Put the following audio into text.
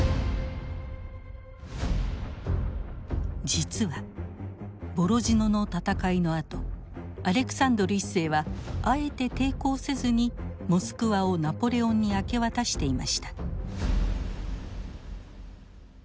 実はボロジノの戦いのあとアレクサンドル１世はあえて抵抗せずにモスクワをナポレオンに明け渡していました。